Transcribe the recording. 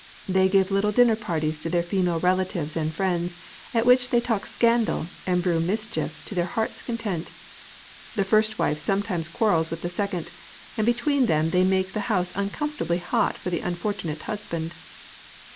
They give little dinner parties to their female relatives and friends, at which they talk scandal, and brew mischief to their hearts' content. The first wife sometimes quarrels with the second, and between them they make the house uncomfortably hot for the unfortunate husband.